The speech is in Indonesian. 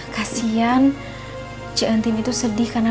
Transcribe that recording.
kasian cik entin itu sedih karena